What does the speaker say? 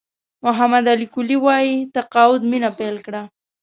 محمد علي کلي وایي تقاعد مینه پیل کړه.